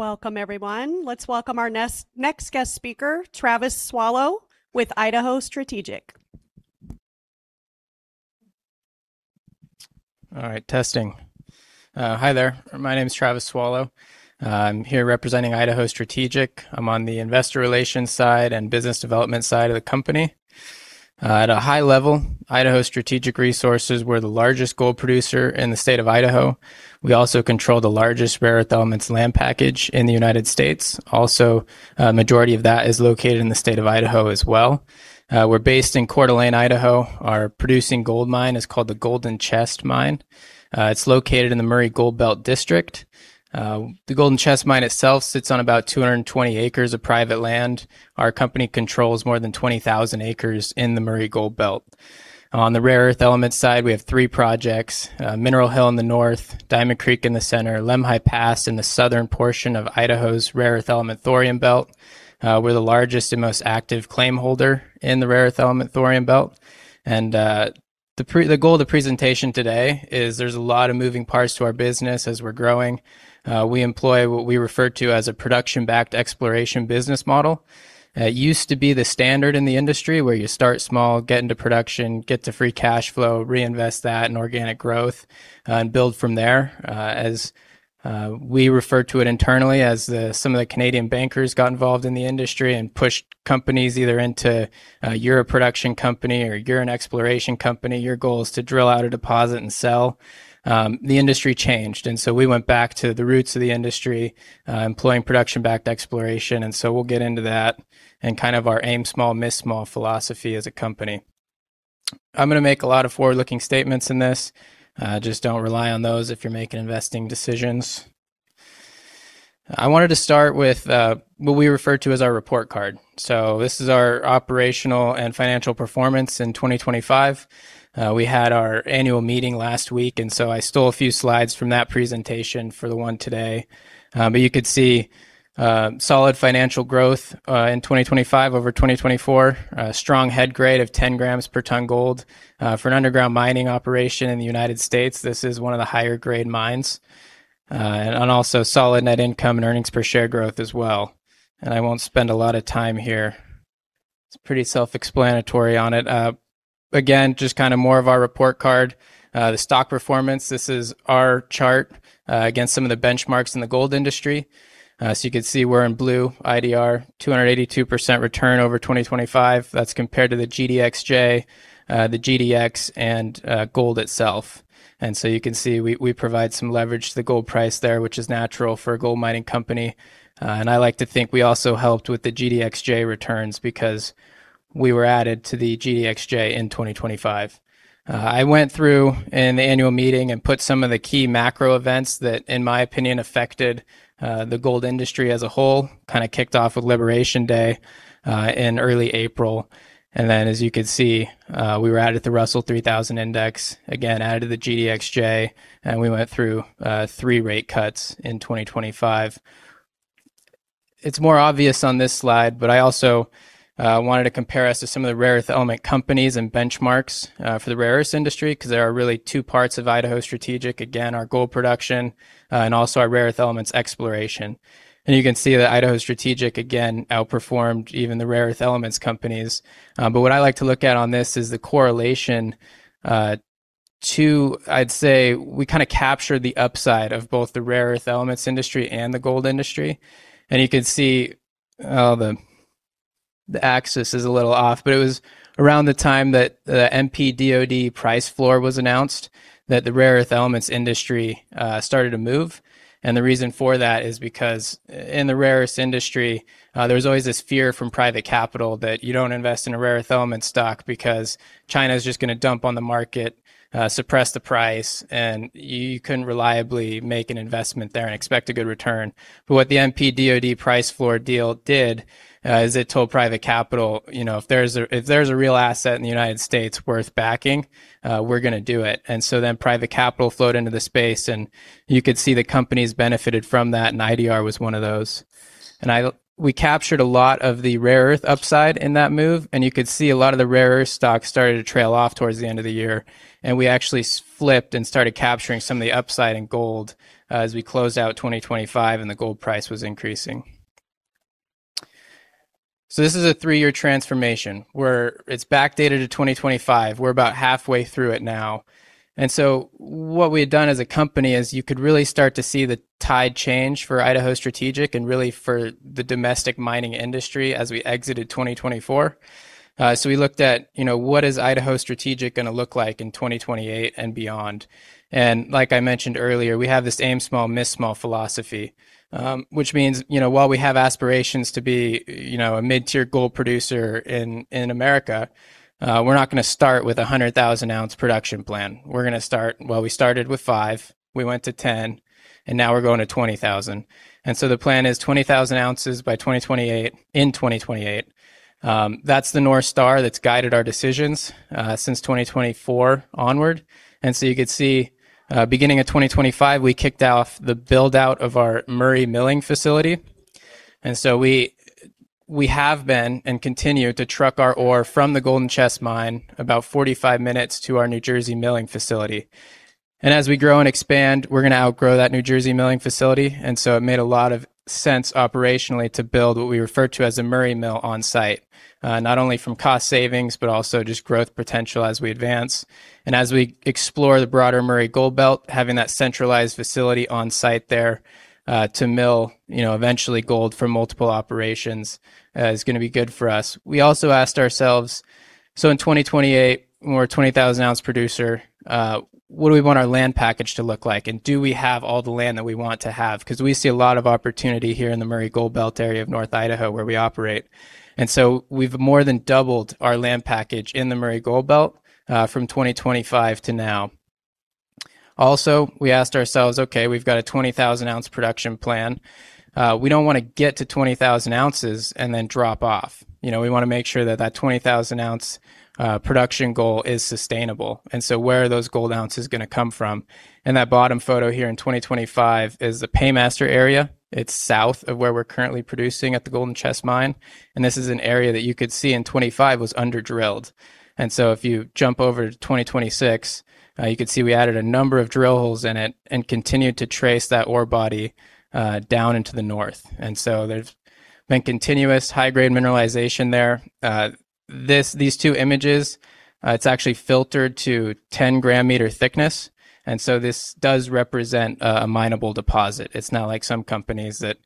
Welcome, everyone. Let's welcome our next guest speaker, Travis Swallow with Idaho Strategic. All right. Testing. Hi there. My name is Travis Swallow. I'm here representing Idaho Strategic. I'm on the investor relations side and business development side of the company. At a high level, Idaho Strategic Resources, we're the largest gold producer in the state of Idaho. We also control the largest rare earth elements land package in the U.S. Also, a majority of that is located in the state of Idaho as well. We're based in Coeur d'Alene, Idaho. Our producing gold mine is called the Golden Chest Mine. It's located in the Murray Gold Belt district. The Golden Chest Mine itself sits on about 220 acres of private land. Our company controls more than 20,000 acres in the Murray Gold Belt. On the rare earth elements side, we have three projects, Mineral Hill in the north, Diamond Creek in the center, Lemhi Pass in the southern portion of Idaho's Rare Earth Element and Thorium Belt. We're the largest and most active claim holder in the Rare Earth Element and Thorium Belt. The goal of the presentation today is there's a lot of moving parts to our business as we're growing. We employ what we refer to as a production-backed exploration business model. It used to be the standard in the industry where you start small, get into production, get to free cash flow, reinvest that in organic growth, and build from there. As we refer to it internally, as some of the Canadian bankers got involved in the industry and pushed companies either into you're a production company or you're an exploration company, your goal is to drill out a deposit and sell. The industry changed, we went back to the roots of the industry, employing production-backed exploration, we'll get into that and our aim small, miss small philosophy as a company. I'm going to make a lot of forward-looking statements in this. Just don't rely on those if you're making investing decisions. I wanted to start with what we refer to as our report card. This is our operational and financial performance in 2025. We had our annual meeting last week, I stole a few slides from that presentation for the one today. You could see solid financial growth in 2025 over 2024. A strong head grade of 10 grams per ton gold. For an underground mining operation in the U.S., this is one of the higher-grade mines. Also solid net income and earnings per share growth as well. I won't spend a lot of time here. It's pretty self-explanatory on it. Again, just more of our report card. The stock performance, this is our chart against some of the benchmarks in the gold industry. You could see we're in blue, IDR, 282% return over 2025. That's compared to the GDXJ, the GDX, gold itself. You can see we provide some leverage to the gold price there, which is natural for a gold mining company. I like to think we also helped with the GDXJ returns because we were added to the GDXJ in 2025. I went through in the annual meeting and put some of the key macro events that, in my opinion, affected the gold industry as a whole, kicked off with Liberation Day in early April. As you can see, we were added to the Russell 3000 Index, again, added to the GDXJ, and we went through three rate cuts in 2025. It's more obvious on this slide, but I also wanted to compare us to some of the rare earth element companies and benchmarks for the rare earth industry, because there are really two parts of Idaho Strategic, again, our gold production and also our rare earth elements exploration. You can see that Idaho Strategic, again, outperformed even the rare earth elements companies. What I like to look at on this is the correlation to, I'd say, we captured the upside of both the rare earth elements industry and the gold industry. You could see the axis is a little off, but it was around the time that the MP DOD price floor was announced that the rare earth elements industry started to move. The reason for that is because in the rare earth industry, there was always this fear from private capital that you don't invest in a rare earth element stock because China's just going to dump on the market, suppress the price, and you couldn't reliably make an investment there and expect a good return. What the MP DOD price floor deal did is it told private capital, "If there's a real asset in the United States worth backing, we're going to do it." Private capital flowed into the space, and you could see the companies benefited from that, and IDR was one of those. We captured a lot of the rare earth upside in that move, and you could see a lot of the rare earth stocks started to trail off towards the end of the year. We actually flipped and started capturing some of the upside in gold as we closed out 2025 and the gold price was increasing. This is a three-year transformation where it's backdated to 2025. We're about halfway through it now. What we had done as a company is you could really start to see the tide change for Idaho Strategic and really for the domestic mining industry as we exited 2024. We looked at what is Idaho Strategic going to look like in 2028 and beyond. Like I mentioned earlier, we have this aim small, miss small philosophy, which means while we have aspirations to be a mid-tier gold producer in America, we're not going to start with a 100,000-ounce production plan. We're going to start Well, we started with five, we went to 10, and now we're going to 20,000. The plan is 20,000 ounces by 2028 in 2028. That's the North Star that's guided our decisions since 2024 onward. You could see, beginning of 2025, we kicked off the build-out of our Murray Milling facility. We have been and continue to truck our ore from the Golden Chest Mine about 45 minutes to our New Jersey Mill milling facility. As we grow and expand, we're going to outgrow that New Jersey Mill milling facility. It made a lot of sense operationally to build what we refer to as a Murray mill on-site, not only from cost savings, but also just growth potential as we advance. As we explore the broader Murray Gold Belt, having that centralized facility on-site there to mill eventually gold from multiple operations is going to be good for us. We also asked ourselves, in 2028, when we're a 20,000-ounce producer, what do we want our land package to look like? Do we have all the land that we want to have? Because we see a lot of opportunity here in the Murray Gold Belt area of North Idaho, where we operate. We've more than doubled our land package in the Murray Gold Belt from 2025 to now. We asked ourselves, we've got a 20,000-ounce production plan. We don't want to get to 20,000 ounces and then drop off. We want to make sure that that 20,000-ounce production goal is sustainable. Where are those gold ounces going to come from? That bottom photo here in 2025 is the Paymaster area. It's south of where we're currently producing at the Golden Chest Mine. This is an area that you could see in 2025 was under-drilled. If you jump over to 2026, you could see we added a number of drill holes in it and continued to trace that ore body down into the north. There's been continuous high-grade mineralization there. These two images, it's actually filtered to 10 gram-meter thickness. This does represent a mineable deposit. It's not like some companies that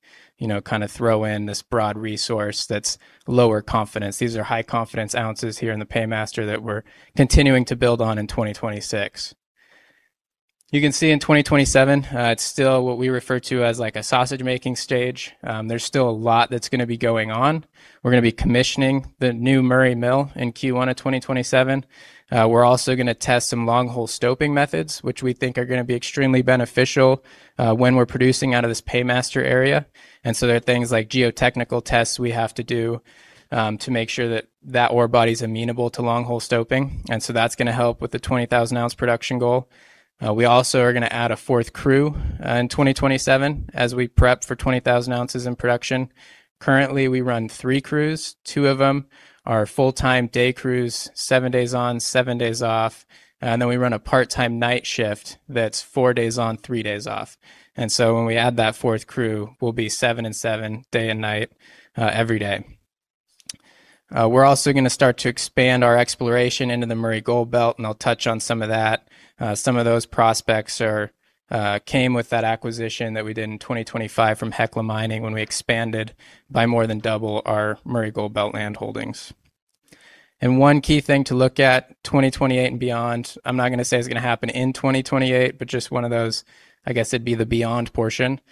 throw in this broad resource that's lower confidence. These are high-confidence ounces here in the Paymaster that we're continuing to build on in 2026. You can see in 2027, it's still what we refer to as a sausage-making stage. There's still a lot that's going to be going on. We're going to be commissioning the new Murray mill in Q1 of 2027. We're also going to test some long hole stoping methods, which we think are going to be extremely beneficial when we're producing out of this Paymaster area. There are things like geotechnical tests we have to do to make sure that that ore body is amenable to long hole stoping. That's going to help with the 20,000-ounce production goal. We also are going to add a fourth crew in 2027 as we prep for 20,000 ounces in production. Currently, we run three crews. Two of them are full-time day crews, seven days on, seven days off. We run a part-time night shift that's four days on, three days off. When we add that fourth crew, we'll be seven and seven day and night every day. We're also going to start to expand our exploration into the Murray Gold Belt, and I'll touch on some of that. Some of those prospects came with that acquisition that we did in 2025 from Hecla Mining when we expanded by more than double our Murray Gold Belt land holdings. One key thing to look at, 2028 and beyond. I'm not going to say it's going to happen in 2028, but just one of those, I guess it'd be the beyond portion.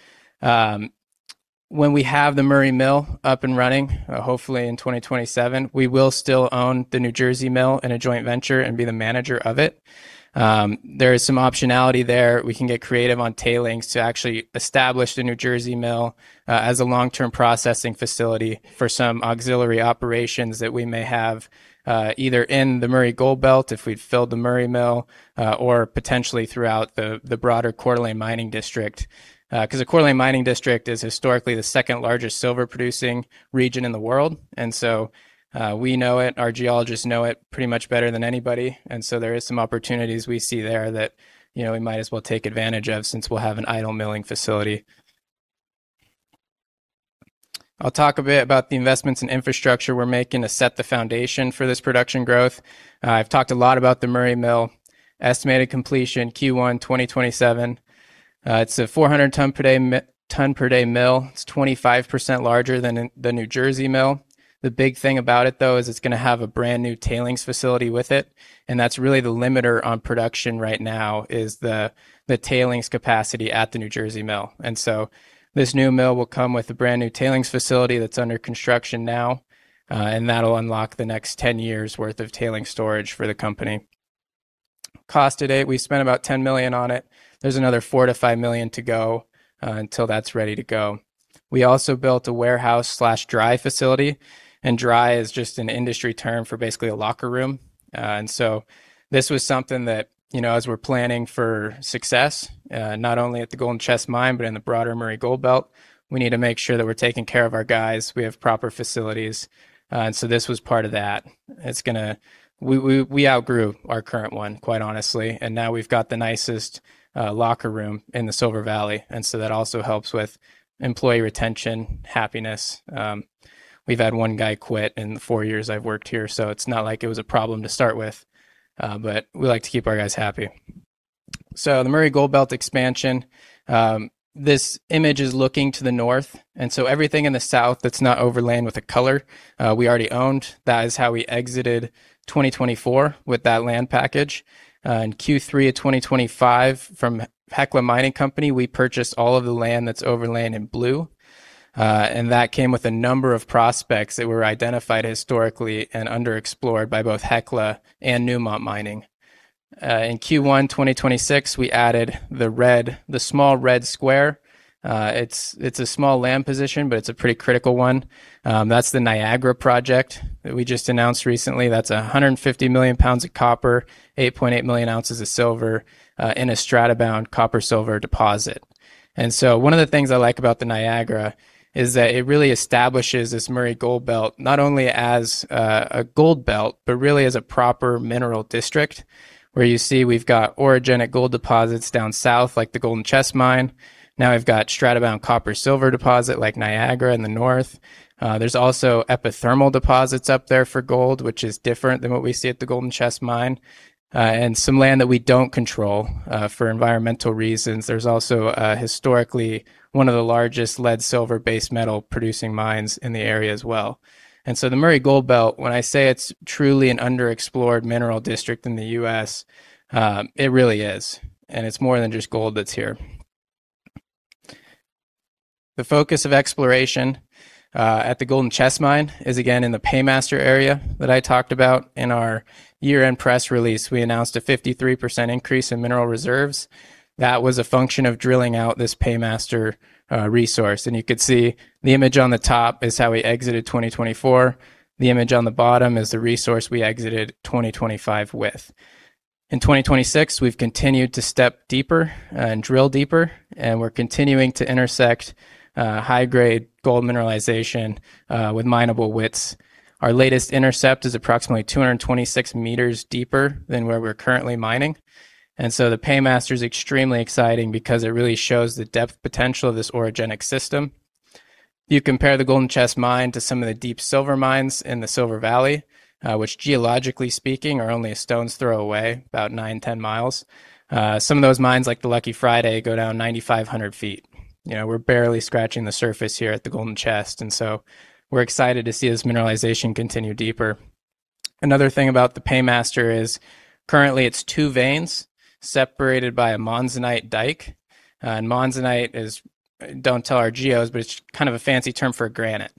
When we have the Murray Mill up and running, hopefully in 2027, we will still own the New Jersey Mill in a joint venture and be the manager of it. There is some optionality there. We can get creative on tailings to actually establish the New Jersey Mill as a long-term processing facility for some auxiliary operations that we may have, either in the Murray Gold Belt, if we'd filled the Murray Mill, or potentially throughout the broader Coeur d'Alene Mining District. Because the Coeur d'Alene Mining District is historically the second largest silver-producing region in the world. We know it, our geologists know it pretty much better than anybody. There is some opportunities we see there that we might as well take advantage of since we'll have an idle milling facility. I'll talk a bit about the investments in infrastructure we're making to set the foundation for this production growth. I've talked a lot about the Murray Mill. Estimated completion Q1 2027. It's a 400 tonne per day mill. It's 25% larger than the New Jersey Mill. The big thing about it, though, is it's going to have a brand new tailings facility with it, and that's really the limiter on production right now is the tailings capacity at the New Jersey Mill. This new mill will come with a brand new tailings facility that's under construction now, and that'll unlock the next 10 years' worth of tailing storage for the company. Cost to date, we spent about $10 million on it. There's another $4 million to $5 million to go until that's ready to go. We also built a warehouse/dry facility, and dry is just an industry term for basically a locker room. This was something that, as we're planning for success, not only at the Golden Chest Mine but in the broader Murray Gold Belt, we need to make sure that we're taking care of our guys, we have proper facilities. This was part of that. We outgrew our current one, quite honestly, and now we've got the nicest locker room in the Silver Valley. That also helps with employee retention, happiness. We've had one guy quit in the four years I've worked here, so it's not like it was a problem to start with. We like to keep our guys happy. The Murray Gold Belt expansion. This image is looking to the north. Everything in the south that's not overlain with a color, we already owned. That is how we exited 2024 with that land package. In Q3 of 2025 from Hecla Mining Company, we purchased all of the land that's overlain in blue. That came with a number of prospects that were identified historically and underexplored by both Hecla and Newmont Mining. In Q1 2026, we added the small red square. It's a small land position, but it's a pretty critical one. That's the Niagara Project that we just announced recently. That's 150 million pounds of copper, 8.8 million ounces of silver in a stratabound copper silver deposit. One of the things I like about the Niagara is that it really establishes this Murray Gold Belt, not only as a gold belt, but really as a proper mineral district, where you see we've got orogenic gold deposits down south, like the Golden Chest Mine. Now we've got stratabound copper silver deposit like Niagara in the north. There's also epithermal deposits up there for gold, which is different than what we see at the Golden Chest Mine. Some land that we don't control for environmental reasons. There's also historically one of the largest lead silver base metal producing mines in the area as well. The Murray Gold Belt, when I say it's truly an underexplored mineral district in the U.S., it really is, and it's more than just gold that's here. The focus of exploration at the Golden Chest Mine is again in the Paymaster area that I talked about. In our year-end press release, we announced a 53% increase in mineral reserves. That was a function of drilling out this Paymaster resource. You could see the image on the top is how we exited 2024. The image on the bottom is the resource we exited 2025 with. In 2026, we've continued to step deeper and drill deeper, and we're continuing to intersect high-grade gold mineralization with mineable widths. Our latest intercept is approximately 226 meters deeper than where we're currently mining. The Paymaster is extremely exciting because it really shows the depth potential of this orogenic system. You compare the Golden Chest Mine to some of the deep silver mines in the Silver Valley, which geologically speaking, are only a stone's throw away, about nine, 10 miles. Some of those mines, like the Lucky Friday, go down 9,500 feet. We're barely scratching the surface here at the Golden Chest, so we're excited to see this mineralization continue deeper. Another thing about the Paymaster is currently it's two veins separated by a monzonite dike. Monzonite is, don't tell our geos, but it's a fancy term for granite.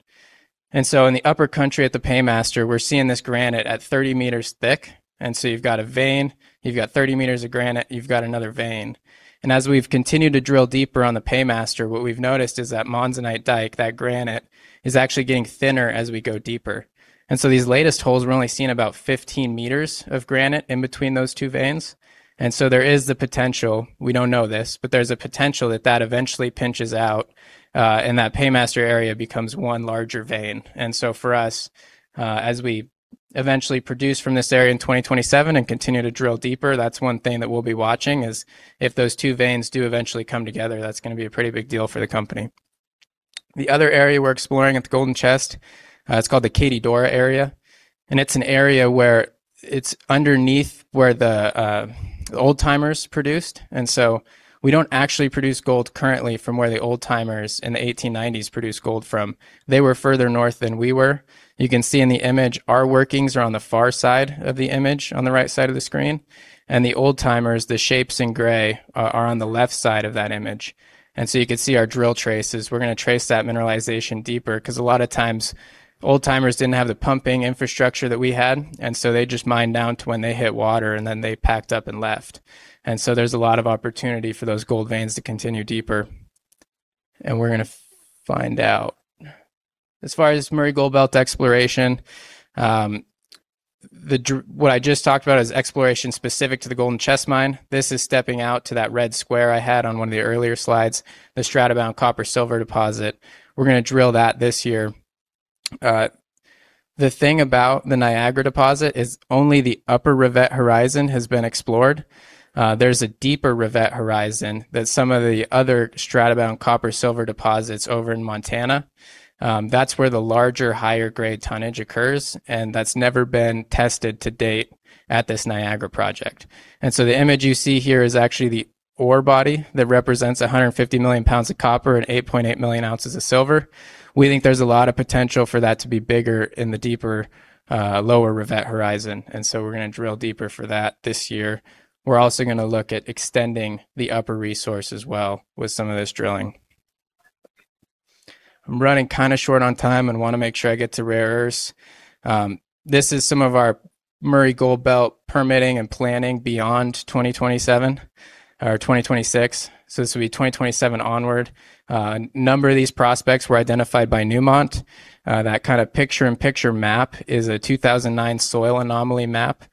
In the upper country at the Paymaster, we're seeing this granite at 30 meters thick. You've got a vein, you've got 30 meters of granite, you've got another vein. As we've continued to drill deeper on the Paymaster, what we've noticed is that monzonite dike, that granite, is actually getting thinner as we go deeper. These latest holes, we're only seeing about 15 meters of granite in between those two veins. There is the potential, we don't know this, but there's a potential that that eventually pinches out, and that Paymaster area becomes one larger vein. For us, as we eventually produce from this area in 2027 and continue to drill deeper, that's one thing that we'll be watching is if those two veins do eventually come together, that's going to be a pretty big deal for the company. The other area we're exploring at the Golden Chest, it's called the Cathedral area, and it's an area where it's underneath where the old-timers produced. We don't actually produce gold currently from where the old-timers in the 1890s produced gold from. They were further north than we were. You can see in the image, our workings are on the far side of the image, on the right side of the screen, and the old-timers, the shapes in gray, are on the left side of that image. You could see our drill traces. We're going to trace that mineralization deeper because a lot of times, old-timers didn't have the pumping infrastructure that we had. They just mined down to when they hit water, and then they packed up and left. There's a lot of opportunity for those gold veins to continue deeper, and we're going to find out. As far as Murray Gold Belt exploration, what I just talked about is exploration specific to the Golden Chest Mine. This is stepping out to that red square I had on one of the earlier slides, the stratabound copper silver deposit. We're going to drill that this year. The thing about the Niagara deposit is only the upper Revett Horizon has been explored. There's a deeper Revett Horizon that some of the other stratabound copper silver deposits over in Montana. That's where the larger, higher grade tonnage occurs, and that's never been tested to date at this Niagara project. The image you see here is actually the ore body that represents 150 million pounds of copper and 8.8 million ounces of silver. We think there's a lot of potential for that to be bigger in the deeper, lower Revett Horizon. We're going to drill deeper for that this year. We're also going to look at extending the upper resource as well with some of this drilling. I'm running short on time and want to make sure I get to rare earths. This is some of our Murray Gold Belt permitting and planning beyond 2027 or 2026. This will be 2027 onward. A number of these prospects were identified by Newmont. That picture in picture map is a 2009 soil anomaly map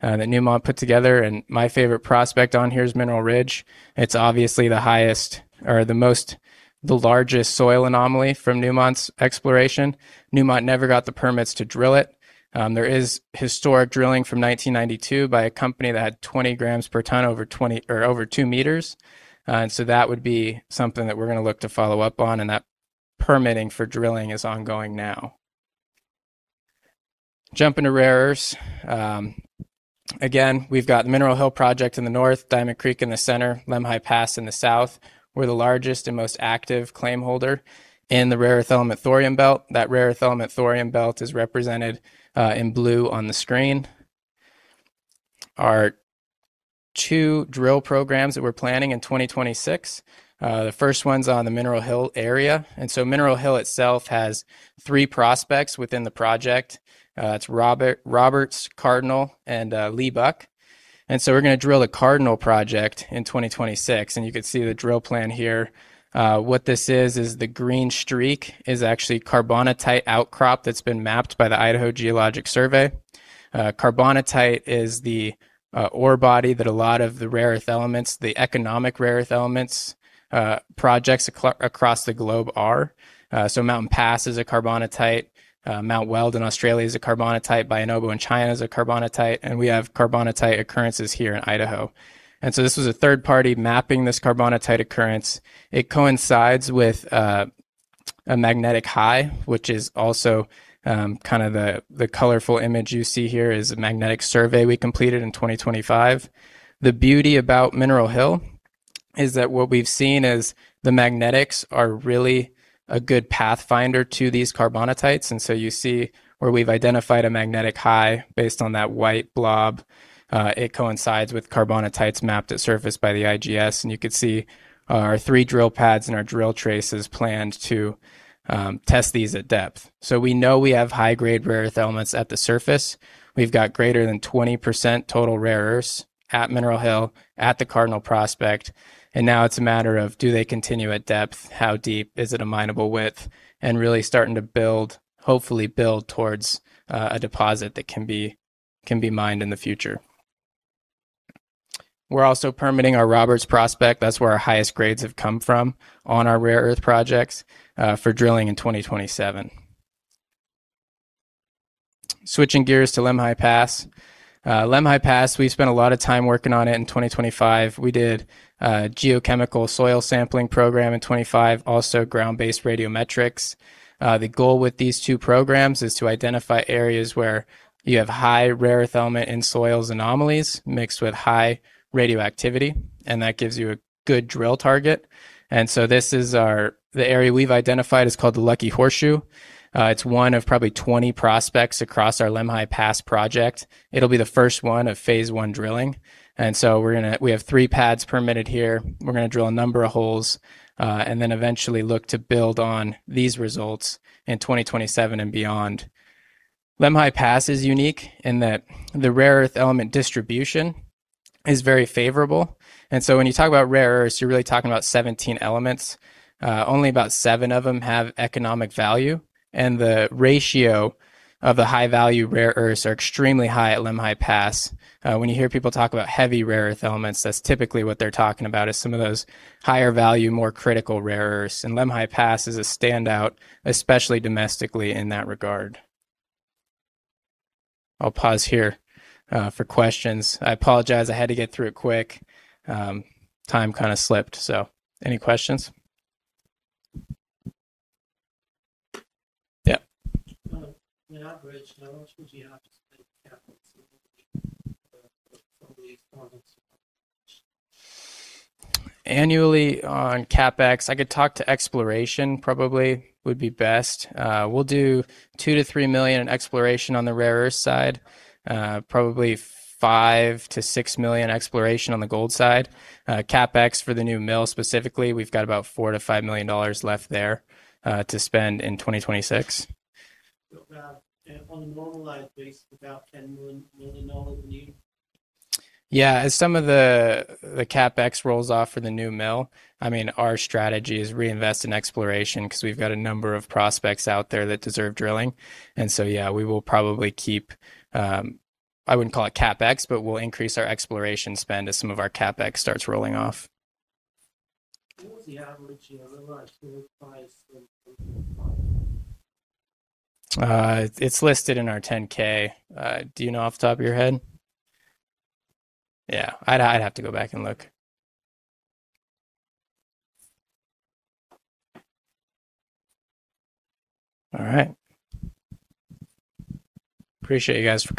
that Newmont put together, and my favorite prospect on here is Mineral Ridge. It's obviously the highest or the largest soil anomaly from Newmont's exploration. Newmont never got the permits to drill it. There is historic drilling from 1992 by a company that had 20 grams per tonne over two meters. That would be something that we're going to look to follow up on, and that permitting for drilling is ongoing now. Jumping to rare earths. Again, we've got Mineral Hill project in the north, Diamond Creek in the center, Lemhi Pass in the south. We're the largest and most active claim holder in the rare earth element thorium belt. That rare earth element thorium belt is represented in blue on the screen. Our Two drill programs that we're planning in 2026. The first one's on the Mineral Hill area. Mineral Hill itself has three prospects within the project. It's Roberts, Cardinal, and Lee Buck. We're going to drill the Cardinal project in 2026, and you can see the drill plan here. What this is the green streak is actually carbonatite outcrop that's been mapped by the Idaho Geological Survey. carbonatite is the ore body that a lot of the rare earth elements, the economic rare earth elements projects across the globe are. Mountain Pass is a carbonatite, Mount Weld in Australia is a carbonatite, Bayan Obo in China is a carbonatite, and we have carbonatite occurrences here in Idaho. This was a third party mapping this carbonatite occurrence. It coincides with a magnetic high, which is also the colorful image you see here is a magnetic survey we completed in 2025. The beauty about Mineral Hill is that what we've seen is the magnetics are really a good pathfinder to these carbonatites, you see where we've identified a magnetic high based on that white blob. It coincides with carbonatites mapped at surface by the IGS, you can see our three drill pads and our drill traces planned to test these at depth. We know we have high grade rare earth elements at the surface. We've got greater than 20% total rare earths at Mineral Hill at the Cardinal prospect, now it's a matter of do they continue at depth? How deep? Is it a mineable width? Really starting to build, hopefully build towards a deposit that can be mined in the future. We're also permitting our Roberts prospect, that's where our highest grades have come from on our rare earth projects for drilling in 2027. Switching gears to Lemhi Pass. Lemhi Pass, we spent a lot of time working on it in 2025. We did a geochemical soil sampling program in 2025, also ground-based radiometrics. The goal with these two programs is to identify areas where you have high rare earth element in soils anomalies mixed with high radioactivity, that gives you a good drill target. The area we've identified is called the Lucky Horseshoe. It's one of probably 20 prospects across our Lemhi Pass project. It'll be the first one of phase one drilling. We have three pads permitted here. We're going to drill a number of holes, then eventually look to build on these results in 2027 and beyond. Lemhi Pass is unique in that the rare earth element distribution is very favorable. When you talk about rare earths, you're really talking about 17 elements. Only about seven of them have economic value, the ratio of the high-value rare earths are extremely high at Lemhi Pass. When you hear people talk about heavy rare earth elements, that's typically what they're talking about is some of those higher value, more critical rare earths. Lemhi Pass is a standout, especially domestically in that regard. I'll pause here for questions. I apologize, I had to get through it quick. Time slipped. Any questions? Yeah. On average, how much would you have to spend in CapEx a year for these projects? Annually on CapEx, I could talk to exploration probably would be best. We will do $2 million-$3 million in exploration on the rare earths side. Probably $5 million-$6 million exploration on the gold side. CapEx for the new mill specifically, we have got about $4 million-$5 million left there to spend in 2026. On a normalized basis, about $10 million would be. Yeah. As some of the CapEx rolls off for the new mill, our strategy is reinvest in exploration because we have got a number of prospects out there that deserve drilling. Yeah, we will probably keep, I would not call it CapEx, but we will increase our exploration spend as some of our CapEx starts rolling off. What was the average price in Q4? It's listed in our 10-K. Do you know off the top of your head? Yeah, I'd have to go back and look. All right. Appreciate you guys for coming